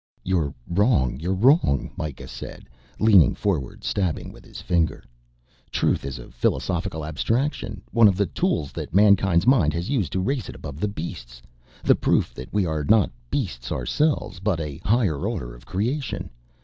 "You're wrong, you're wrong," Mikah said, leaning forward, stabbing with his finger. "Truth is a philosophical abstraction, one of the tools that mankind's mind has used to raise it above the beasts the proof that we are not beasts ourselves, but a higher order of creation.